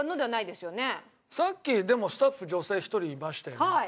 さっきでもスタッフ女性１人いましたよね。